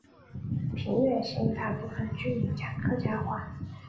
平远县大部分居民讲客家话。